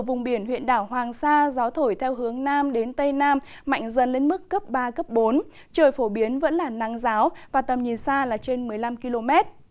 vùng biển huyện đảo hoàng sa gió thổi theo hướng nam đến tây nam mạnh dần lên mức cấp ba cấp bốn trời phổ biến vẫn là nắng giáo và tầm nhìn xa là trên một mươi năm km